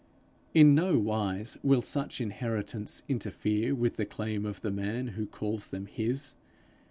In no wise will such inheritance interfere with the claim of the man who calls them his.